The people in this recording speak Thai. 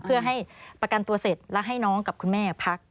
เพื่อให้ประกันตัวเสร็จแล้วให้น้องกับคุณแม่พัก